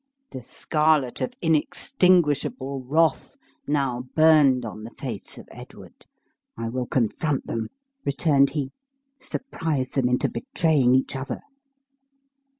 The scarlet of inextinguishable wrath now burned on the face of Edward. "I will confront them," returned he; "surprise them into betraying each other."